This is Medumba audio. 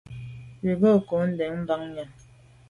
Bin ke nko ndèn banyàm.